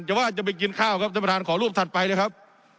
ว่าจะไปกินข้าวครับท่านประธานขอรูปถัดไปนะครับ